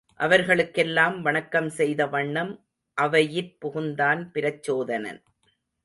அவர்களுக்கெல்லாம் வணக்கம் செய்த வண்ணம் அவையிற்புகுந்தான் பிரச்சோதனன்.